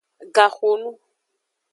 Gaxonu.